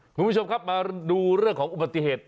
คุณผู้ชมครับมาดูเรื่องของอุบัติเหตุ